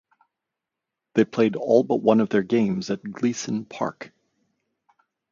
They played all but one of their games at Gleason Park.